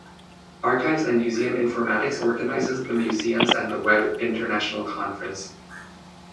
Archives and Museum Informatics organizes the Museums and the Web international conference.